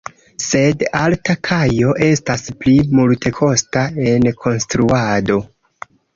Sed alta kajo estas pli multekosta en konstruado.